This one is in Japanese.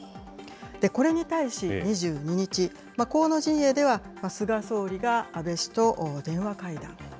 これに対し２２日、河野陣営では菅総理が安倍氏と電話会談。